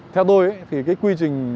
theo tôi thì cái quy trình